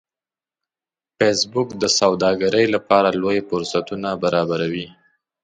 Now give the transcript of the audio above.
فېسبوک د سوداګرۍ لپاره لوی فرصتونه برابروي